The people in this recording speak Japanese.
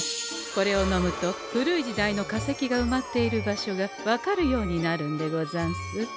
これを飲むと古い時代の化石がうまっている場所が分かるようになるんでござんす。